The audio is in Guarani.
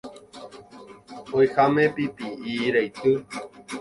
oĩháme pipi'i raity